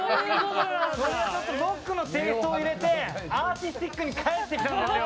ロックなテーストを入れてアーティスティックに帰ってきたんですよ。